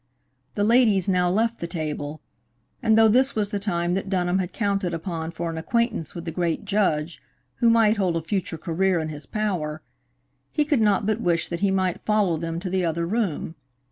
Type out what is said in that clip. The ladies now left the table, and though this was the time that Dunham had counted upon for an acquaintance with the great judge who might hold a future career in his power, he could not but wish that he might follow them to the other room.